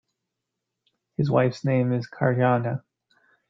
His wife's name is Karnjana.